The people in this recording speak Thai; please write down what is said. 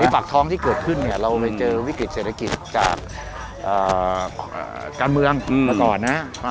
ปากท้องที่เกิดขึ้นเนี่ยเราไปเจอวิกฤติเศรษฐกิจจากการเมืองมาก่อนนะ